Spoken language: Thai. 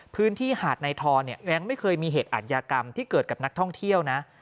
หาดในทอเนี่ยแร้งไม่เคยมีเหตุอัธยากรรมที่เกิดกับนักท่องเที่ยวนะ